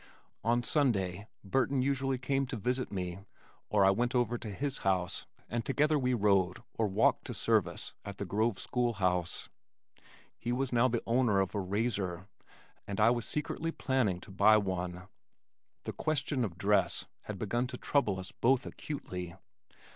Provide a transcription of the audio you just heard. On Sunday, Burton usually came to visit me or I went over to his house and together we rode or walked to service at the Grove school house. He was now the owner of a razor, and I was secretly planning to buy one. The question of dress had begun to trouble us both acutely.